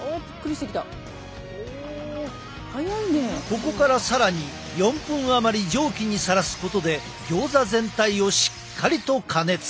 ここから更に４分余り蒸気にさらすことでギョーザ全体をしっかりと加熱。